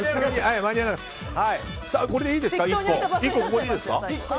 これでいいですか、１個。